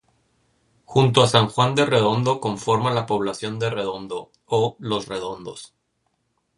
Junto a San Juan de Redondo conforma la población de Redondo, o "Los Redondos".